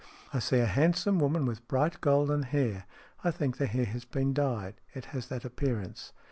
" I see a handsome woman with bright golden hair. I think the hair has been dyed. It has that appearance.